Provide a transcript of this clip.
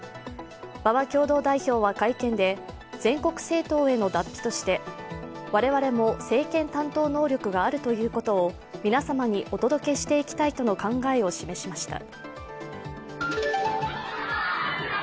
馬場共同代表は会見で、全国政党への脱皮としてわれわれも政権担当能力があるということを皆様にお届けしていきたいとの考えを示しました。